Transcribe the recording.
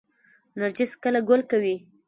نرجس کله ګل کوي؟